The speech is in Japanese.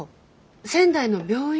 仙台の病院